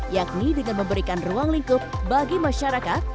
yakni dengan memberikan ruang lingkup bagi masyarakat